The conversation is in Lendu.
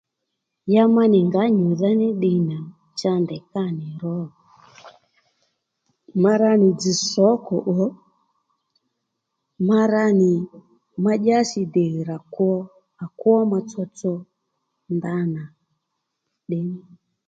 Ya ma nì ngǎ nyùdha ní ddiy nà cha ndèy kâ nì ro ma ra nì dzz sǒkò ò ma ra nì madyási dè rà kwo à kwó ma tsotso ndanà ddey ní